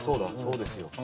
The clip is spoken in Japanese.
そうですよ。